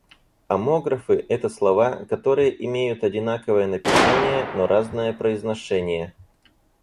Омографы - это слова, которые имеют одинаковое написание, но разное произношение.